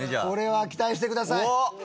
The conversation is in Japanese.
これは期待してください。